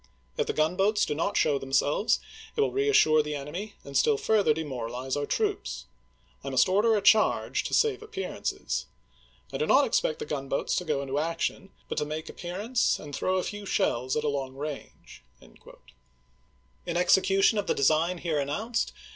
If the gunboats do not show themselves, it will reassure the enemy and still further demoralize our troops. I must order a charge, to save appearances. I do not ex ^0^^^°^^ pect the gunboats to go into action, but to make isfi^w^n. appearance and throw a few shells at long range." ^p." eT?" In execution of the design here announced.